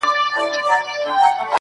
o بلا له خپلي لمني پورته کېږي.